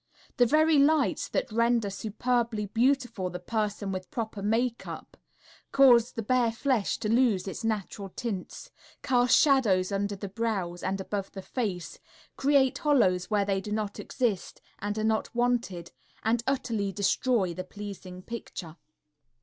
The very lights that render superbly beautiful the person with proper makeup cause the bare flesh to lose its natural tints, cast shadows under the brows and above the face, create hollows where they do not exist and are not wanted, and utterly destroy the pleasing picture.